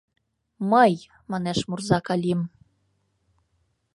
— Мый! — манеш мурза Калим.